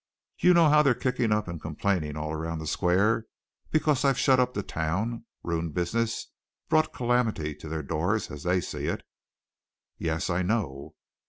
"You know how they're kicking and complaining all around the square because I've shut up the town, ruined business, brought calamity to their doors as they see it?" "Yes, I know."